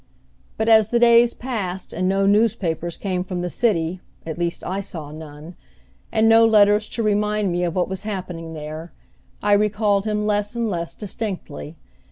But as the days passed and no newspapers came from the city at least I saw none and no letters to remind me of what was happening there, I recalled him less and less distinctly.